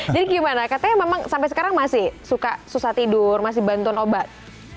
jadi bagaimana katanya memang sampai sekarang masih suka susah tidur masih bantuan obat